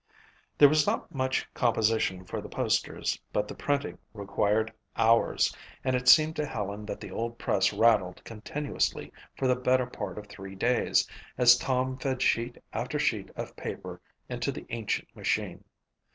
There was not much composition for the posters but the printing required hours and it seemed to Helen that the old press rattled continuously for the better part of three days as Tom fed sheet after sheet of paper into the ancient machine.